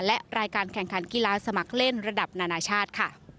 และรายการแข่งขันกีฬาสมัครเล่นระดับนานาชาติค่ะ